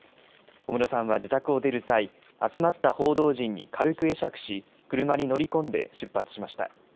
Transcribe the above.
小室さんは自宅を出る際、集まった報道陣に軽く会釈し、車に乗り込んで出発しました。